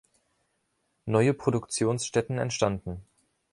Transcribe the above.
Neue Produktionsstätten entstanden.